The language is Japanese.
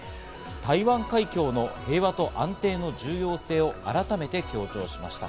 台湾海峡の平和と安定の重要性を改めて強調しました。